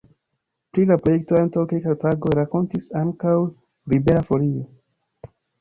Pri la projekto antaŭ kelkaj tagoj rakontis ankaŭ Libera Folio.